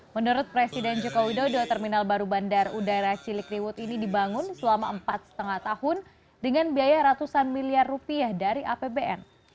menurut presiden joko widodo terminal baru bandar udara cilikriwut ini dibangun selama empat lima tahun dengan biaya ratusan miliar rupiah dari apbn